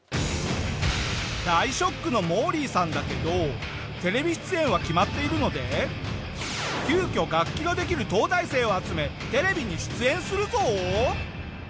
大ショックのモーリーさんだけどテレビ出演は決まっているので急遽楽器ができる東大生を集めテレビに出演するぞ！